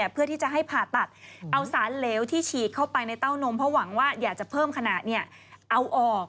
เพื่อที่จะให้ผ่าตัดเอาสารเหลวที่ฉีกเข้าไปในเต้านมเพราะหวังว่าอยากจะเพิ่มขณะเอาออก